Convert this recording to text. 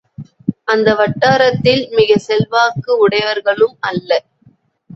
அந்த வட்டாரத்தில் மிகசெல்வாக்கு உடையவர்களும் அல்ல.